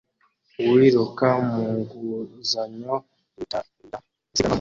Uwiruka mu nguzanyo yitabira isiganwa mu mvura